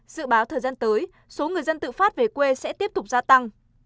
dự báo thời gian tới số người dân tự phát về quê sẽ tiếp tục gia tăng